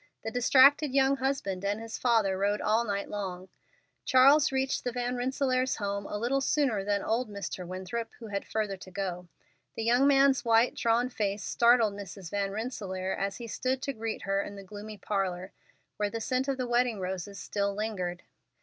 The distracted young husband and his father rode all night long. Charles reached the Van Rensselaers' home a little sooner than old Mr. Winthrop, who had further to go. The young man's white, drawn face startled Mrs. Van Rensselaer as he stood to greet her in the gloomy parlor, where the scent of the wedding roses still lingered.